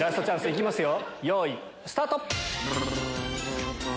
いきますよ。